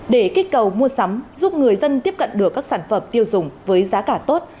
để kích cầu mua sắm giúp người dân tiếp cận được các sản phẩm tiêu dùng với giá cả tốt